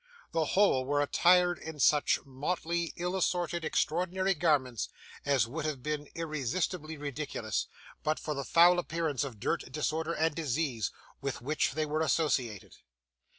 The whole were attired in such motley, ill assorted, extraordinary garments, as would have been irresistibly ridiculous, but for the foul appearance of dirt, disorder, and disease, with which they were associated.